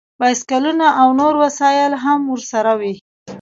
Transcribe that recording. بایسکلونه او نور وسایل هم ورسره وي